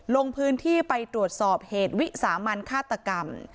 ลงพื้นที่ไปตรวจสอบเหตุวิสามันฆาตกรรม